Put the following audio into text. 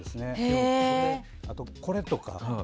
あと、これとか。